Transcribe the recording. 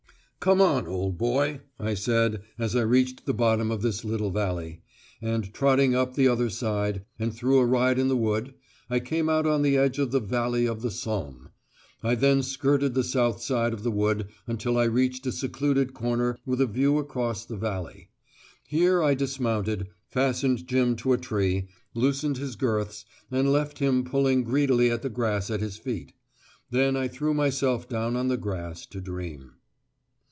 "Come on, old boy," I said, as I reached the bottom of this little valley; and trotting up the other side, and through a ride in the wood, I came out on the edge of the Valley of the Somme. I then skirted the south side of the wood until I reached a secluded corner with a view across the valley: here I dismounted, fastened Jim to a tree, loosened his girths, and left him pulling greedily at the grass at his feet. Then I threw myself down on the grass to dream.